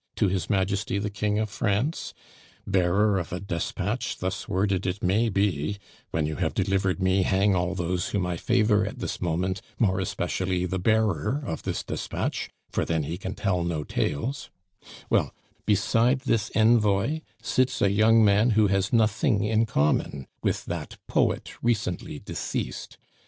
to his Majesty the King of France, bearer of a despatch thus worded it may be 'When you have delivered me, hang all those whom I favor at this moment, more especially the bearer of this despatch, for then he can tell no tales' well, beside this envoy sits a young man who has nothing in common with that poet recently deceased.